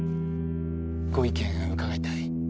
ご意見伺いたい。